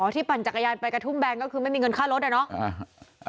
ปั่นจักรยานไปกระทุ่มแบนก็คือไม่มีเงินค่ารถอะเนาะ